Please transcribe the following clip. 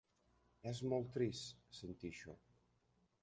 És molt trist sentir això.